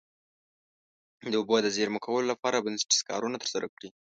د اوبو د زیرمه کولو لپاره بنسټیز کارونه ترسره کړي.